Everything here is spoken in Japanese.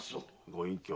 ご隠居。